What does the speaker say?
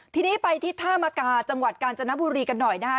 ทีนี้ไปที่ท่ามกาจังหวัดกาญจนบุรีกันหน่อยนะคะ